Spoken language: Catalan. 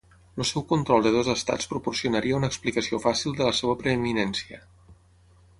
El seu control de dos estats proporcionaria una explicació fàcil de la seva preeminència.